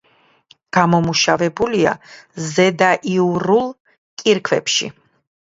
გამომუშავებულია ზედაიურულ კირქვებში.